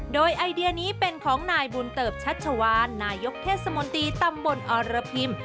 โดยไอเดียนี้เป็นของนายบุญเติบชัชวานนายกเทศมนตรีตำบลอรพิม